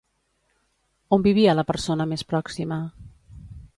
On vivia la persona més pròxima?